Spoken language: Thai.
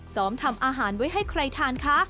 ทำอาหารไว้ให้ใครทานคะ